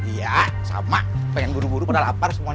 iya sama pengen buru buru pada lapar semuanya